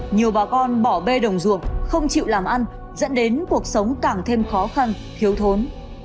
nhiều bà con bỏ bê đồng ruộng không chịu làm ăn dẫn đến cuộc sống càng thêm khó khăn thiếu thốn